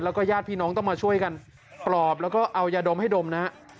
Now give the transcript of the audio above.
แล้วก็ญาติพี่น้องต้องมาช่วยกันปลอบแล้วก็เอายาดมให้ดมนะฮะ